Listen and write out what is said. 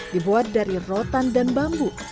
dibuat dari rotan dan bambu